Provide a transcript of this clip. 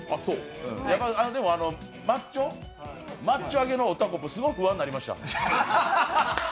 でもマッチョあげのおたこぷー、不安になりました。